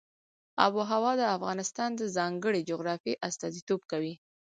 آب وهوا د افغانستان د ځانګړي جغرافیه استازیتوب کوي.